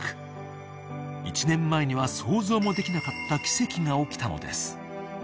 ［１年前には想像もできなかった奇跡が起きたのです］